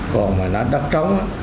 còn đất trống